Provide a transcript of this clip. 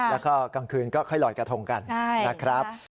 แล้วก็กลางคืนก็ค่อยลอยกระทงกันนะครับ